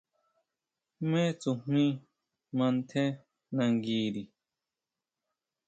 ¿Jmé tsujmí mantjé nanguiri?